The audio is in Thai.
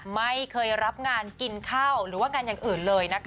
ไม่เคยรับงานกินข้าวหรือว่างานอย่างอื่นเลยนะคะ